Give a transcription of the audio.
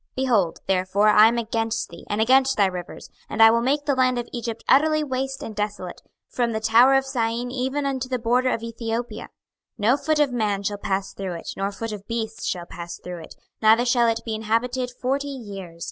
26:029:010 Behold, therefore I am against thee, and against thy rivers, and I will make the land of Egypt utterly waste and desolate, from the tower of Syene even unto the border of Ethiopia. 26:029:011 No foot of man shall pass through it, nor foot of beast shall pass through it, neither shall it be inhabited forty years.